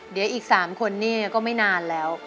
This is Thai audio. เดี๋ยวอีก๓คนนี่ก็ไม่นานแล้ว